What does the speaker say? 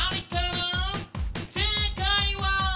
「正解は」